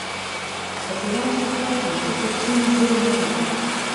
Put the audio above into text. Кыце вара сусу ат ли, шукердшен ужделна вет.